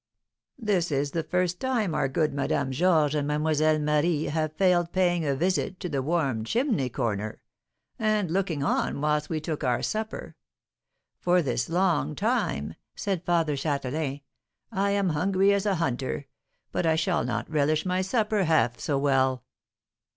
"This is the first time our good Madame Georges and Mlle. Marie have failed paying a visit to the warm chimney corner, and looking on whilst we took our supper, for this long time," said Father Châtelain. "I am hungry as a hunter, but I shall not relish my supper half so well."